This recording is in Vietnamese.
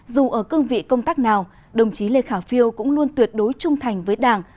dù ở cương vị công tác nào đồng chí lê khả phiêu cũng luôn tuyệt đối trung thành với đảng